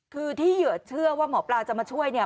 คือที่เหยื่อเชื่อว่าหมอปลาจะมาช่วยเนี่ย